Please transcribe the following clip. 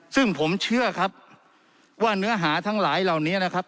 ซึ่งผมเชื่อครับว่าเนื้อหาทั้งหลายเหล่านี้นะครับ